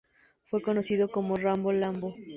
Fue conocido como "Rambo-Lambo".